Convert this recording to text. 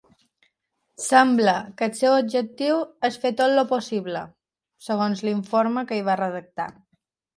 Sembla que el seu objectiu és fer tot el possible, segons l'informe que ell va redactar.